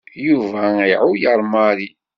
Yuba iεuyer Mary.